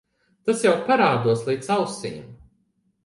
Tas jau parādos līdz ausīm.